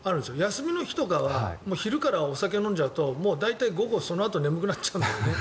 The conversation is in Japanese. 休みの日とかは昼からお酒を飲んじゃうと午後、そのあと眠くなるんだよね